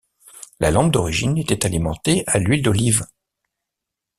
La lampe d'origine était alimentée à l'huile d'olive.